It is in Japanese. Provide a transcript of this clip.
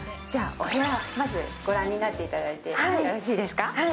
じゃあ、お部屋を御覧になっていただいてよろしいですか？